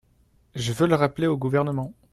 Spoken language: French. Je veux le rappeler au Gouvernement